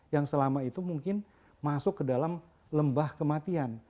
yang selama itu mungkin masuk ke dalam lembah kematian